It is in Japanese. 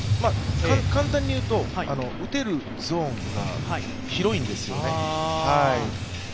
簡単に言うと打てるゾーンが広いんですよね。